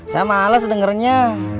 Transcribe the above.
saya males dengernya